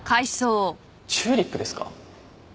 チューリップですか？